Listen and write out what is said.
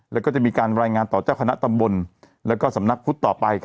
แล้วก็จะมีการรายงานต่อเจ้าคณะตำบลและสำนักพุทธต่อไป